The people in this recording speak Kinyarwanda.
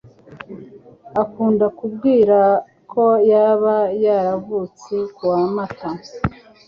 akunda kumbwira ko yaba yaravutse kuwa Mata